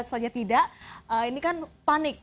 saja tidak ini kan panik